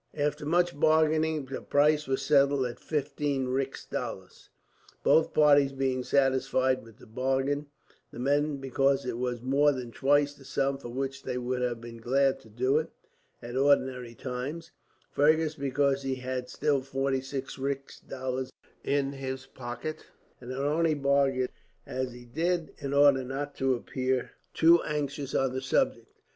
After much bargaining the price was settled at fifteen rix dollars, both parties being satisfied with the bargain; the men because it was more than twice the sum for which they would have been glad to do it, at ordinary times; Fergus because he had still forty rix dollars in his pocket, and had only bargained as he did in order not to appear too anxious on the subject.